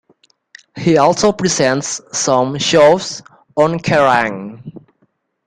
He also presents some shows on Kerrang!